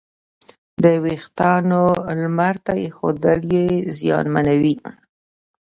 د وېښتیانو لمر ته ایښودل یې زیانمنوي.